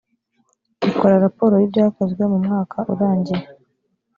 ikora raporo y’ibyakozwe mu mwaka urangiye